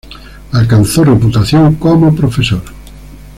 Alcanzó reputación como profesor.